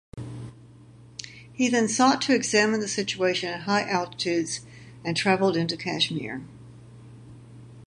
He then sought to examine the situation at high altitudes and travelled into Kashmir.